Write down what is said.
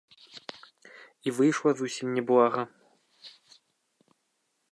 І выйшла зусім не блага.